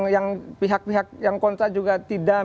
yang pihak pihak yang kontra juga tidak